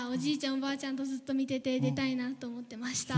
おばあちゃんとずっと見てて出たいなと思ってました。